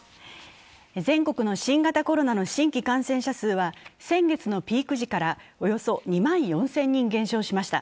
全国の新型コロナの新規感染者数は先月のピーク時からおよそ２万４０００人減少しました。